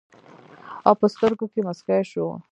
او پۀ سترګو کښې مسکے شو